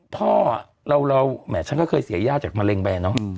พ่อเราฉันก็เคยเสียยาจากมะเร็งไป